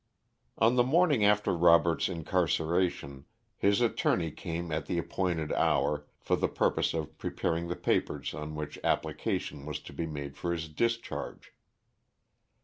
_ On the morning after Robert's incarceration, his attorney came at the appointed hour for the purpose of preparing the papers on which application was to be made for his discharge.